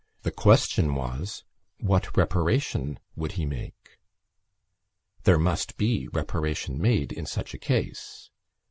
The question was: What reparation would he make? There must be reparation made in such cases.